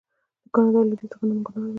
د کاناډا لویدیځ د غنمو ګدام دی.